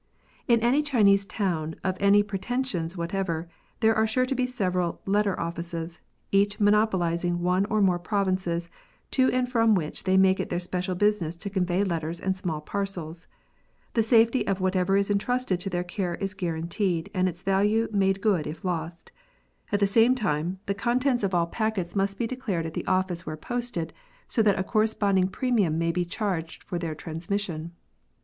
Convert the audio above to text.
In any Chinese town of any pretensions whatever, there are sure to be several letter offices," each monopolising one or more provinces, to and from which they make it their special business to convey letters and small parcels. The safety of whatever is entrusted to their care is guaranteed, and its value made good if lost ; at the same time, the contents of 6o POSTAL SERVICE. all packets must be declared at the office wliere posted, so that a corresponding premium may be charged for their transmission.